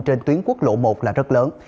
trên tuyến quốc lộ một là rất lớn